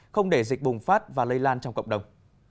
không để dịch bùng phát và lây lan trong cộng đồng